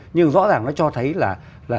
nhưng rõ ràng nó cho thấy là